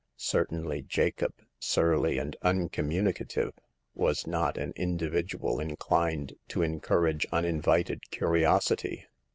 Certainly Jacob, surly and uncommunica tive, was not an individual inclined to encourage uninvited curiosity.